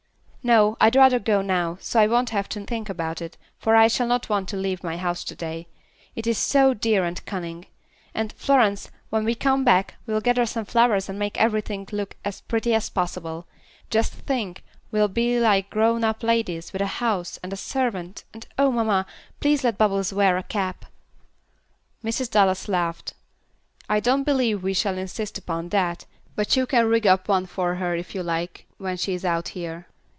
"No, I'd rather go now, so I won't have to think about it, for I shall not want to leave my house to day; it is so dear and cunning. And, Florence, when we come back, we'll gather some flowers and make everything look as pretty as possible. Just think, we'll be like grown up ladies, with a house, and a servant, and oh, mamma, please let Bubbles wear a cap." Mrs. Dallas laughed. "I don't believe we will insist upon that, but you can rig up one for her if you like, when she is out here.